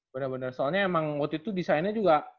bener bener soalnya emang waktu itu desainnya juga